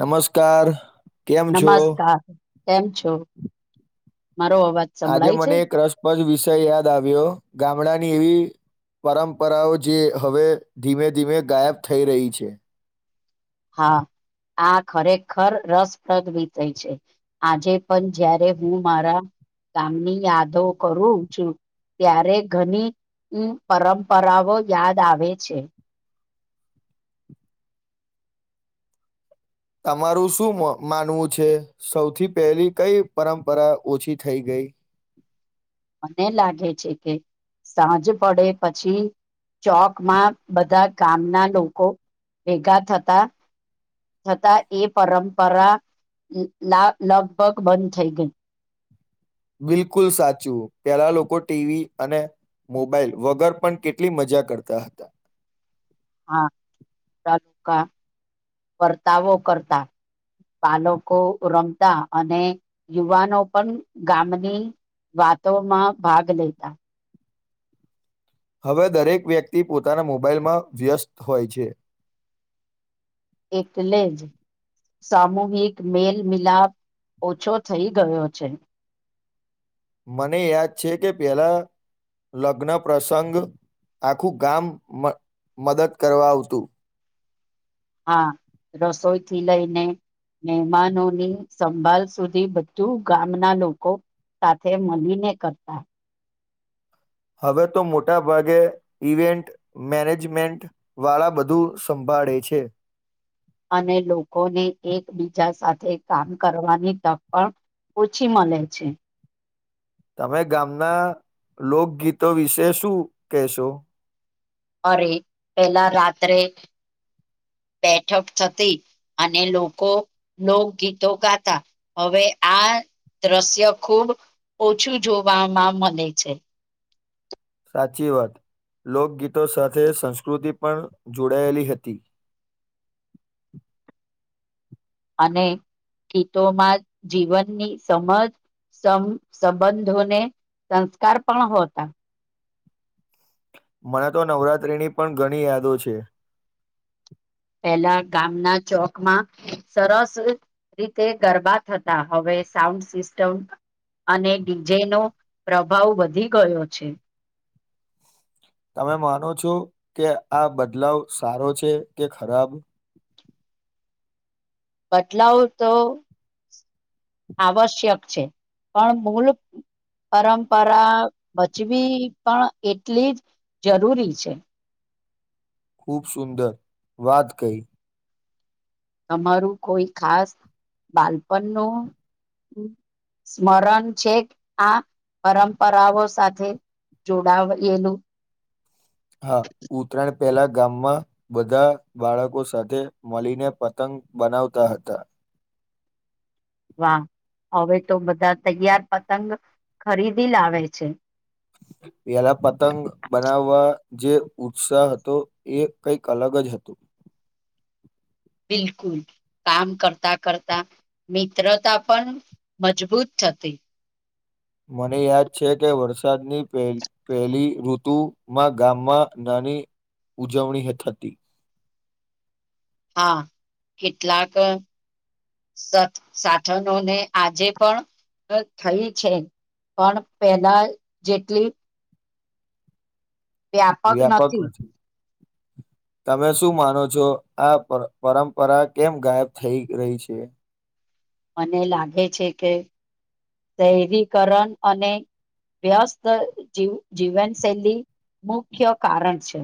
નમસ્કાર કેમ છો નમસ્કાર, કેમ છો? મારો અવાજ આજે સંભળાય છે મને એક રસપ્રદ વિષય યાદ આવ્યો, ગામડાની એવી પરંપરાઓ જે હવે ધીમે ધીમે ગાયબ થઈ રહી છે. હા આ ખરેખર રસપ્રદ વિસય છે. આજે પન જ્યારે હું મારા તમની યાદો કરું છું. ત્યારે ઘની અમ પરંપરાવો યાદ આવે છે. તમારું સું મ માનવું છે? સૌથી પહેલી કઈ પરંપરા ઓછી થઈ ગઈ? [inaudible] મને લાગે છે કે સાંજ પડે પછી ચોકમાં બધા ગામના લોકો ભેગા થતા, છતાં એ પરંપરા લા, લગભગ બંધ થઈ ગઈ. બિલકુલ સાચું. પેલા લોકો ટીવી અને મોબાઈલ વગર પણ કેટલી મજા કરતા હતા. હા, લુકા, કરતાવો કરતા. પાલકો રમતા અને યુવાનો પન ગામની વાતોમાં ભાગ લેતા. હવે દરેક વ્યક્તિ પોતાના મોબાઈલમાં વ્યસ્ત હોય છે એટલે જ સામૂહિક મેલમિલાપ ઓછો થઈ ગયો છે. મને યાદ છે કે પહેલા લગ્ન પ્રસંગ આખું ગામ મ, મદદ કરવા આવતું. હા, રસોઈ થી લઈને મહેમાનોની સંભાલ સુધી બધું ગામના લોકો સાથે મળીને કરતાં. હવે તો મોટા ભાગે, ઈવેન્ટ મેનેજમેન્ટવાળા બધું સંભાળ પાડે છે અને લોકોને એકબીજા સાથે કામ કરવાની તક પણ ઓછી મલે છે. તમે ગામના લોકગીતો વિશે શું કહેશો? અરે, પેલા રાત્રે બેઠક થતી અને લોકો લોકગીતો ગાતા. હવે આ દ્રસ્ય ખૂબ ઓછું જોવામાં મલે છે. સાચી વાત. લોકગીતો સાથે સંસ્કૃતિ પણ જોડાયેલી હતી. [inaudible] અને ગીતોમાં જીવનની સમજ સમ સંબંધોને સંસ્કાર પણ હોતા મને તો નવરાત્રીની પણ ઘણી યાદો છે પહેલા ગામના ચોક માં સરસ રીતે ગરબા થતા હવે સાઉન્ડ સિસ્ટમ અને ડીજેનો પ્રભાવ વધી ગયો છે તમે માનો છો કે આ બદલાવ સારો છે કે ખરાબ બદલાવ તો આવશ્યક છે પણ ભૂલ પરંપરા બચવી પણ એટલી જ જરૂરી છે ખૂબ સુંદર વાત કઈ તમારું કોઈ ખાસ બાલપણ નો સ્મરણ છે આ પરંપરાઓ સાથે જોડાવ એલું હા ઉતરાયણ પહેલા ગામમાં બધા બાળકો સાથે મળીને પતંગ બનાવતા હતા વાહ હવે તો બધા તૈયાર પતંગ ખરીદી લાવે છે [unintelligible] પેલા પતંગ બનાવવા જે ઉત્સાહ હતો એ કઈક અલગ જ હતુ [unintelligible] બિલકુલ કામ કરતા કરતા મિત્રતા પણ મજબૂત થતી મને યાદ છે કે વરસાદની પહેલી ઋતુમાં ગામમાં ના ની ઉજવણી હ થતી હા કેટલાક સાથનોને આજે પણ થઈ છે પણ પહેલા જેટલી વ્યાપક નથી [unintelligible] તમે શું માનો છો આ પરંપરા કેમ ગાયબ થઈ રહી છે મને લાગે છે કે શહેરીકરણ અને વ્યસ્ત જ જીવનશૈલી મુખ્ય કારણ છે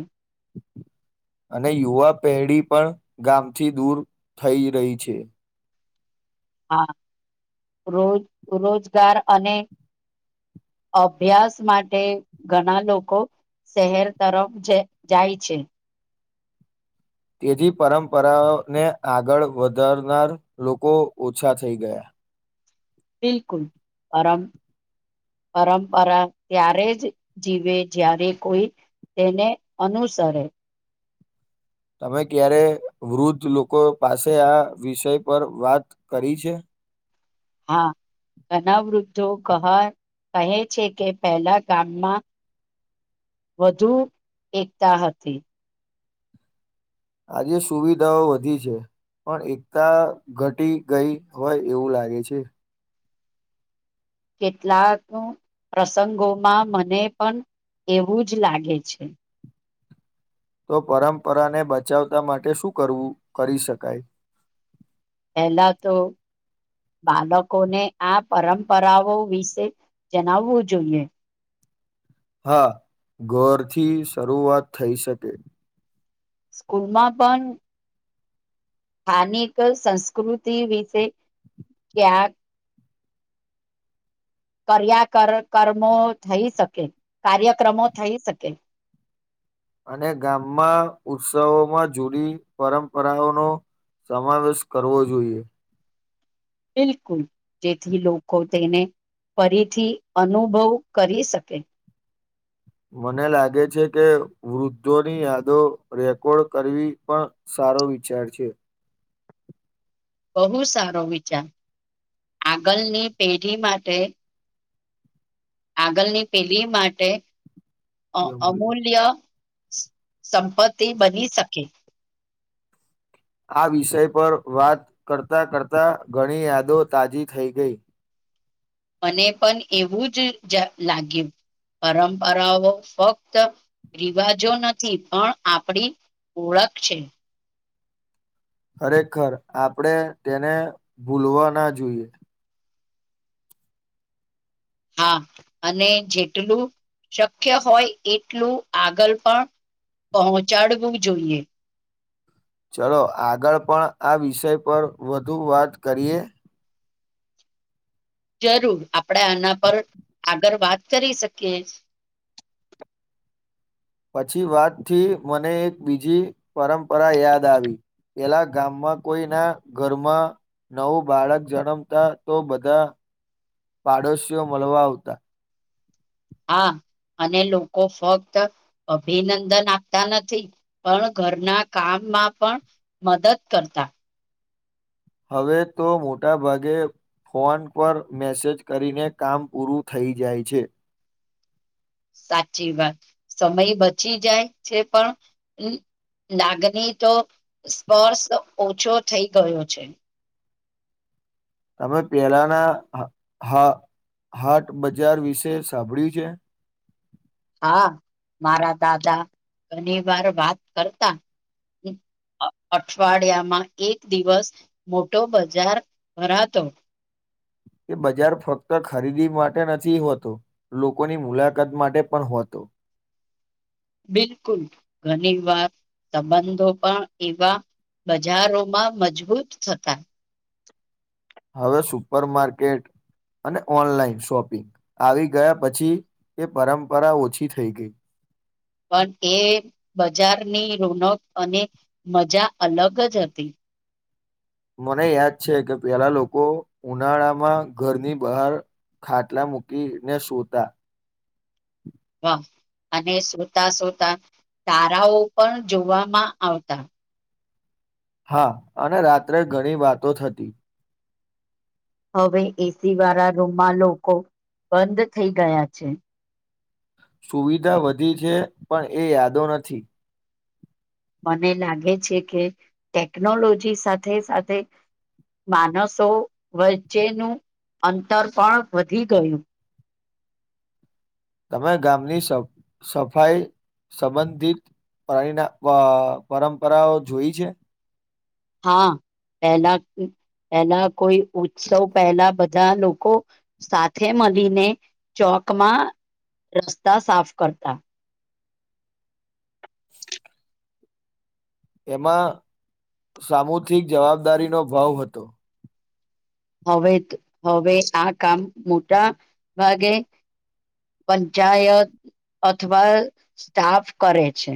[unintelligible] અને યુવા પેઢી પણ ગામથી દૂર થઈ રહી છે હા રોજ રોજગાર અને અભ્યાસ માટે ઘણા લોકો શહેર તરફ જાય છે તેથી પરંપરાઓને આગળ વધારનાર લોકો ઓછા થઈ ગયા બિલકુલ પમ પરંપરા ત્યારે જ જીવે જ્યારે કોઈ તેને અનુસરે તમે ક્યારે વૃદ્ધ લોકો પાસે આ વિષય પર વાત કરી છે હા ગણા વૃદ્ધો કહા કહે છે કે પહેલા ગામમાં વધુ એકતા હતી આજે સુવિધાઓ વધી છે પણ એકતા ઘટી ગઈ હોય એવું લાગે છે કેટલાક પ્રસંગોમાં મને પણ એવું જ લાગે છે તો પરંપરાને બચાવતા માટે શું કરવું કરી શકાય? પહેલા તો બાળકોને આ પરંપરાઓ વિશે જણાવવું જોઈએ હા ઘરથી શરૂઆત થઈ શકે સ્કૂલમાં પણ સ્થાનિક સંસ્કૃતિ વિશે ક્યાં કર્યા કર કર્મો થઈ શકે કાર્યક્રમો થઈ શકે [unintelligible] અને ગામમાં ઉત્સવોમાં જૂની પરંપરાઓનો સમાવેશ કરવો જોઈએ બિલકુલ જેથી લોકો તેને ફરીથી અનુભવ કરી શકે મને લાગે છે કે વૃદ્ધોની યાદો રેકોર્ડ કરવી પણ શક સારો વિચાર છે બહુ સારો વિચાર આગળની પેઢી માટે આગળની પેઢી માટે અમ અમૂલ્ય સંપત્તિ બની શકે આ વિષય પર વાત કરતા કરતા ઘણી યાદો તાજી થઈ ગઈ મને પણ એવું જ જ લાગ્યું પરંપરાઓ ફક્ત રિવાજો નથી પણ આપણી ઓળખ છે ખરેખર આપણેે તેને ભૂલવા ના જોઈએ હા અને જેટલું શક્ય હોય એટલું આગળ પણ પહોંચાડવું જોઈએ ચલો આગળ પણ આ વિષય પર વધુ વાત કરીએ જરૂર આપણેે આના પર આગળ વાત કરી શકીએ છે પછી વાતથી મને એક બીજી પરંપરા યાદ આવી પેલા ગામમાં કોઈ ના ઘરમાં નવું બાળક જન્મતા તો બધા પાડોશીઓ મળવા આવતા હા અને લોકો ફક્ત અભિનંદન આપતા નથી પણ ઘરના કામ માં પણ મદદ કરતા હવે તો મોટા ભાગે ફોન પર મેસેજ કરીને કામ પૂરું થઈ જાય છે સાચી વાત સમય બચી જાય છે પણ હું લાગની તો સ્પર્શ ઓછો થઈ ગયો છે તમે પેલાના હ હાટ બજાર વિશે સાંભળ્યું છે હા મારા દાદા ઘણી વાર વાત કરતા અઠવાડિયામાં એક દિવસ મોટો બજાર ભરાતો તે બજાર ફક્ત ખરીદી માટે નથી હોતો લોકોની મુલાકાત માટે પણ હોતો હ બિલકુલ ઘણી વાર સંબંધો પણ એવા બજારોમાં મજબૂત થતા હવે સુપર માર્કેટ અને ઓનલાઈન શોપિંગ આવી ગયા પછી એ પરંપરા ઓછી થઈ ગઈ પણ એ બજારની રોનક અને મજા અલગ જ હતી મને યાદ છે કે પેલા લોકો ઉનાળામાં ઘરની બહાર ખાટલા મૂકીને સુતા હા અને સોતા સોતા તારાઓ પણ જોવામાં આવતા હા અને રાત્રે ઘણી વાતો થતી હવે એસી વાળા રૂમમાં લોકો બંધ થઈ ગયા છે સુવિધા વધી છે પણ એ યાદો નથી મને લાગે છે કે ટેકનોલોજી સાથે સાથે માનસો વચ્ચેનું અંતર પણ વધી ગયું તમે ગામની સ સફાઈ સંબંધિત પ્રાણીના પરંપરાઓ જોઈ છે હા પહેલા પેલા કોઈ ઉત્સવ પહેલા બધા લોકો સાથે મળીને ચ તકમાં રસ્તા સાફ કરતા એમાં સામૂહિક જવાબદારીનો ભાવ હતો હવે હવે આ કામ મોટા ભાગે પંચાયત અથવા સ્ટાફ કરે છે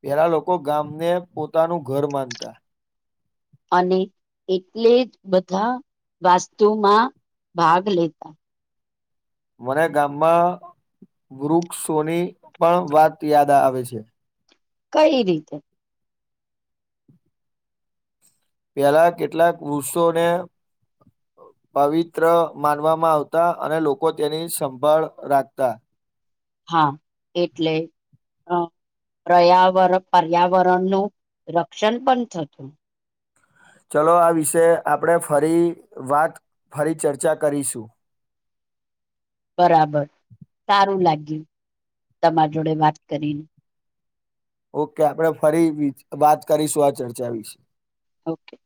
પેલા લોકો ગામને પોતાનું ઘર માનતા અને એટલે જ બધા વાસ્તુમાં ભાગ લેતા મારા ગામમાં વૃક્ષોની પણ વાત યાદ આવે છે કઈ રીતે પેલા કેટલાક વૃક્ષોને પવિત્ર માનવામાં આવતા અને લોકો તેની સંભાળ રાખતા હા એટલે અ પર્યાવરણ પર્યાવરણનું રક્ષણ પણ થતું ચલો આ વિષ આપણે ફરી વાત ફરી ચર્ચા કરીશું બરાબર સારું લાગ્યું તમાર જોડે વાત કરીને ઓકે આપણે ફરી વાત કરીશું આ ચર્ચા વિશે ઓકે